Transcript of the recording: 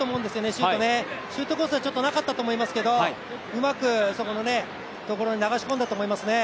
シュートね、シュートコースはなかったと思いますけどうまくそこのところに流し込んだと思いますね。